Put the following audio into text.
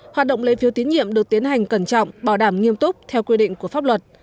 hoạt động lấy phiếu tín nhiệm được tiến hành cẩn trọng bảo đảm nghiêm túc theo quy định của pháp luật